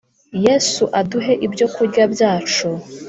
Yesu uduhe ibyo kurya byacu